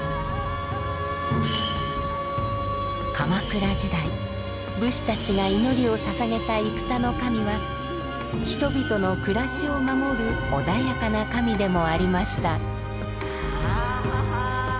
鎌倉時代武士たちが祈りを捧げた戦の神は人々の暮らしを守る穏やかな神でもありました。